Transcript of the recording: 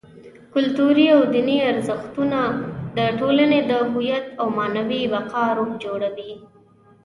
کلتوري او دیني ارزښتونه: د ټولنې د هویت او معنوي بقا روح جوړوي.